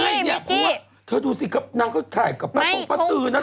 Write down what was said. ไม่อย่าพูดว่าเธอดูสินั่งก็ถ่ายกับตรงประตูนะเถอะ